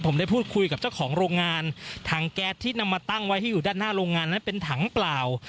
ผมได้พูดคุยกับเจ้าของโรงงานถังแก๊สที่นำมาตั้งไว้ที่อยู่ด้านหน้าโรงงานนั้นเป็นถังเปล่า